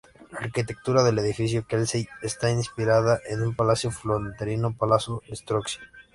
La arquitectura del edificio Kelsey está inspirada en un palacio florentino, Palazzo Strozzi.